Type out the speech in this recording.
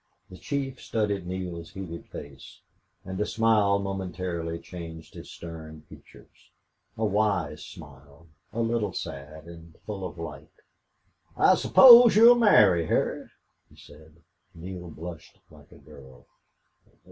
The chief studied Neale's heated face, and a smile momentarily changed his stern features a wise smile, a little sad, and full of light. "I suppose you'll marry her," he said. Neale blushed like a girl.